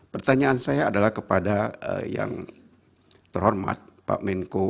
pertanyaan saya adalah kepada yang terhormat pak menko